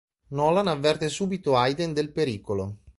Nolan avverte subito Aiden del pericolo.